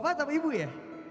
bapak atau ibu ya